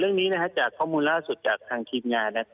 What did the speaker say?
เรื่องนี้จากข้อมูลล่าสุดจากทางทีมงาน